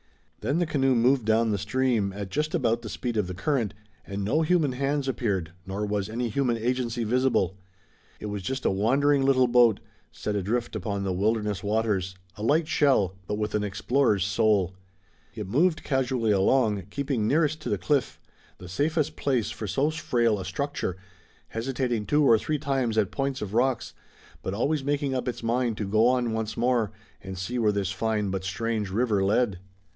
Then the canoe moved down the stream at just about the speed of the current, and no human hands appeared, nor was any human agency visible. It was just a wandering little boat, set adrift upon the wilderness waters, a light shell, but with an explorer's soul. It moved casually along, keeping nearest to the cliff, the safest place for so frail a structure, hesitating two or three times at points of rocks, but always making up its mind to go on once more, and see where this fine but strange river led.